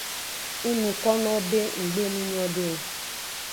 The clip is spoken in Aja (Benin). Ng nukonowo be nggbe nu nyode o.